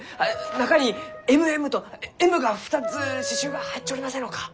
中に「ＭＭ」とＭが２つ刺しゅうが入っちょりませんろうか？